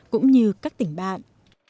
cũng như các tỉnh bạn